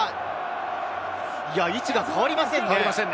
位置が変わりませんね。